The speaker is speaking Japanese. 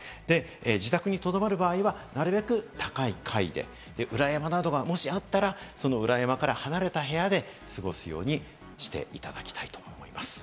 自宅にとどまる場合には、なるべく高い階で、裏山どがもしあったら、その裏山から離れた部屋で過ごすようにしていただきたいと思います。